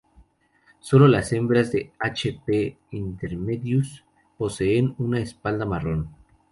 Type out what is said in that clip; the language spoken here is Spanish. Solo las hembras de "H. p. intermedius" poseen una espalda marrón.